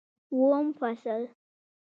اووم فصل